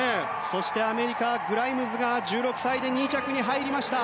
そしてアメリカのグライムズが１６歳で２着に入りました。